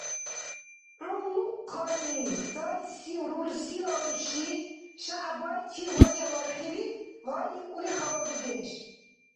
Гӏулухъали сайси рурсила урши Шягӏбайчил вачавархили гъайикӏулри хала дудеш.